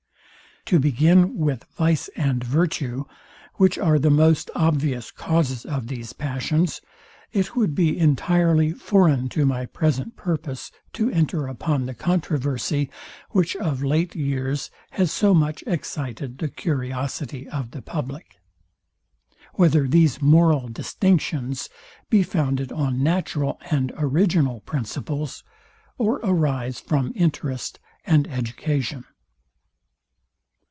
To begin, with vice and virtue; which are the most obvious causes of these passions; it would be entirely foreign to my present purpose to enter upon the controversy, which of late years has so much excited the curiosity of the publick. WHETHER THESE MORAL DISTINCTIONS BE FOUNDED ON NATURAL AND ORIGINAL PRINCIPLES, OR ARISE FROM INTEREST AND EDUCATION.